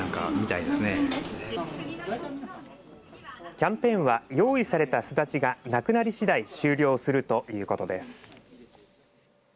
キャンペーンは用意されたスダチがなくなり次第終了するということです。